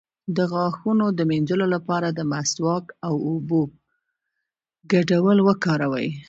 د غاښونو د مینځلو لپاره د مسواک او اوبو ګډول وکاروئ